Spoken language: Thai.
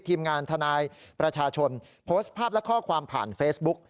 ทีมงานทนายประชาชนโพสต์ภาพและข้อความผ่านเฟซบุ๊ก